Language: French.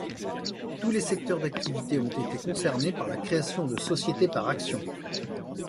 Tous les secteurs d'activité ont été concernés par la création de sociétés par actions.